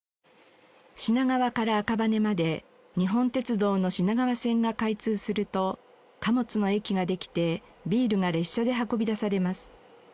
品川から赤羽まで日本鉄道の品川線が開通すると貨物の駅ができてビールが列車で運び出されます。